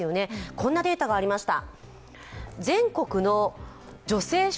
こんなデータがありました。